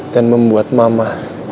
dan membuat mama